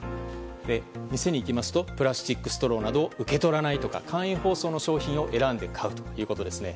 店に行きますとプラスチックストローなどを受け取らないとか簡易包装の商品を選んで買うということですね。